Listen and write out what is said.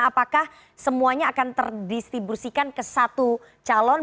apakah semuanya akan terdistribusikan ke satu calon